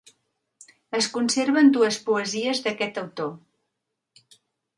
Es conserven dues poesies d'aquest autor.